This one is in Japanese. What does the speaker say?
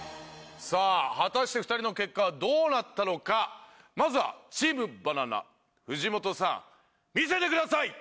さあ果たして２人の結果はどうなったのかまずはＴＥＡＭＢＡＮＡＮＡ藤本さん見せてください